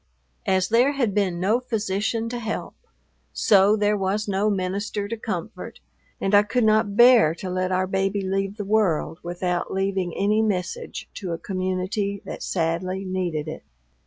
As there had been no physician to help, so there was no minister to comfort, and I could not bear to let our baby leave the world without leaving any message to a community that sadly needed it.